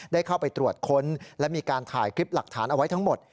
ได้เข้าไปตรวจค้นและมีการถ่ายคลิปหลักฐานเอาไว้ทั้งหมด